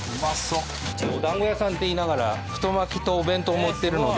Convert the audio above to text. うちおだんご屋さんっていいながら太巻きとお弁当も売ってるので。